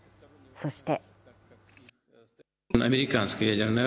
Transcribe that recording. そして。